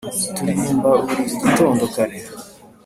turirimba buri gitondo kare